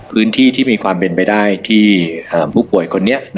พื้นที่ที่มีความเป็นไปได้ที่ผู้ป่วยคนนี้